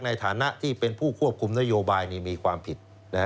ในฐานะที่เป็นผู้ควบคุมนโยบายมีความผิด